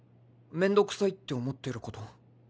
めんどくさいって思ってること。